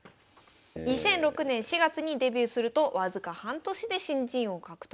２００６年４月にデビューすると僅か半年で新人王獲得。